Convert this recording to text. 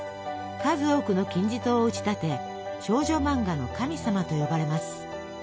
数多くの金字塔を打ち立て「少女漫画の神様」と呼ばれます。